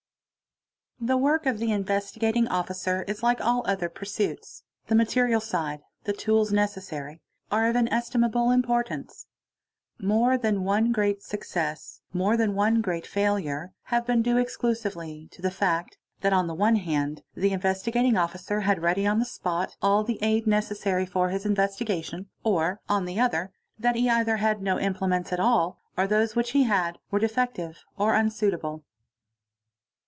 The work of the Investigating Officer is like all other pursuits; the "material side, the tools necessary, are of inestimable importance. More than one great success, more than one great failure, have been due exclusively to the fact that, on the one hand, the Investigating Officer had ready on the spot all the aid necessary for his investigation or, on the other, that he either had no implements at all, or those which he had were defective or unsuitable.